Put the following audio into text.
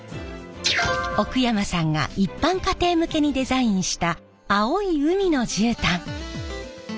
奥山さんが一般家庭向けにデザインした青い海の絨毯。